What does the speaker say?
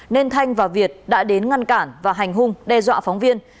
nên thanh và việt đã đến ngăn cản và hành hung đe dọa phóng viên